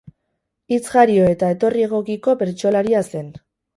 Hitz-jario eta etorri egokiko bertsolaria zen.